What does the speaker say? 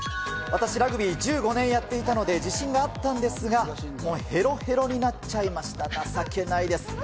私、ラグビー１５年やっていたので、自信があったんですが、もうへろへろになっちゃいました、情けないです。